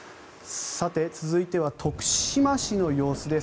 続いては、徳島市の様子です。